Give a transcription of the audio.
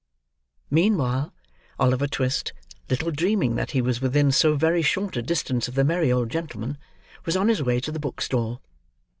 Meanwhile, Oliver Twist, little dreaming that he was within so very short a distance of the merry old gentleman, was on his way to the book stall.